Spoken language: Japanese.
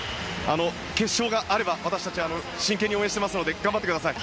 決勝があれば、私たち真剣に応援していますので頑張ってください。